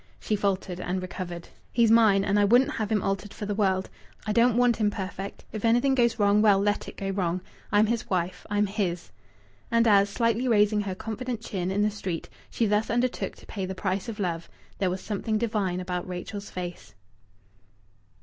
She faltered and recovered. "He's mine and I wouldn't have him altered for the world. I don't want him perfect. If anything goes wrong, well, let it go wrong! I'm his wife. I'm his!" And as, slightly raising her confident chin in the street, she thus undertook to pay the price of love, there was something divine about Rachel's face.